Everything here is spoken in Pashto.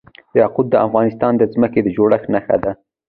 یاقوت د افغانستان د ځمکې د جوړښت نښه ده.